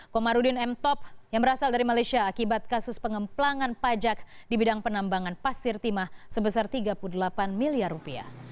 komarudin m top yang berasal dari malaysia akibat kasus pengemplangan pajak di bidang penambangan pasir timah sebesar tiga puluh delapan miliar rupiah